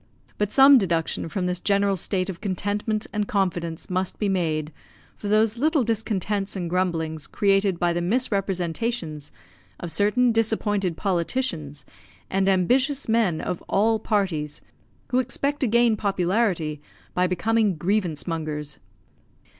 But some deduction from this general state of contentment and confidence must be made for those little discontents and grumblings created by the misrepresentations of certain disappointed politicians and ambitious men of all parties, who expect to gain popularity by becoming grievance mongers.